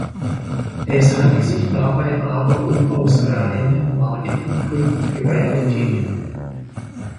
Es handelt sich dabei aber um aus reinen Marketinggründen gewählte Titel.